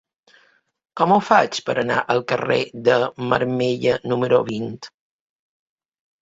Com ho faig per anar al carrer de Marmellà número vint?